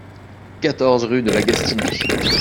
quatorze rue de la Gastinaye